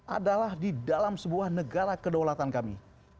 adalah di dalam sebuah negara kedaulatan kami